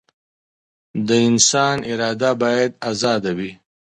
د انسان اراده بايد ازاده وي.